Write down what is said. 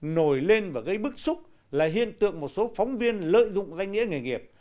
nổi lên và gây bức xúc là hiện tượng một số phóng viên lợi dụng danh nghĩa nghề nghiệp